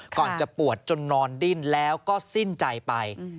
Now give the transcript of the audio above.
ก่อนจะปวดจนนอนดิ้นแล้วก็สิ้นใจไป